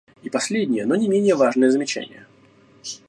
И последнее, но не менее важное замечание.